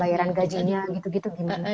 bayaran gajinya gitu gitu